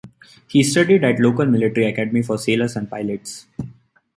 He studied at the local military academy for sailors and pilots.